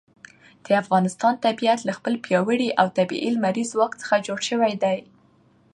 د افغانستان طبیعت له خپل پیاوړي او طبیعي لمریز ځواک څخه جوړ شوی دی.